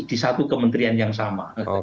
di satu kementerian yang sama